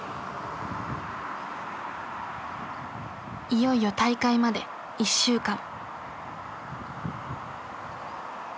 いよいよ大会まで１週間。